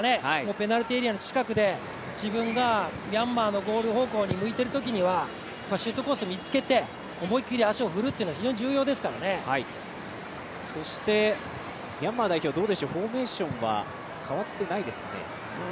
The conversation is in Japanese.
ペナルティーエリアの近くで自分がミャンマーのゴール方向に向いているときにはシュートコースを見つけて思いっきり足を振るというのがそして、ミャンマー代表はフォーメーションは変わってないですかね？